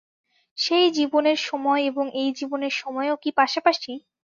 সেই জীবনের সময় এবং এই জীবনের সময়ও কি পাশাপাশি?